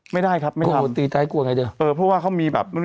ไม่ได้ครับไม่ได้โดนตีท้ายกลัวไงเดี๋ยวเออเพราะว่าเขามีแบบ